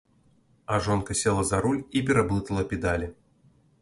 А жонка села за руль і пераблытала педалі.